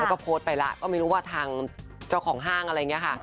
แล้วก็โพสต์ไปแล้วก็ไม่รู้ว่าทางเจ้าของห้างอะไรอย่างนี้ค่ะ